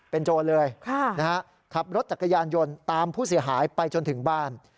เป็นโจรเลยขับรถจักรยานยนต์ตามผู้เสียหายไปจนถึงบ้าน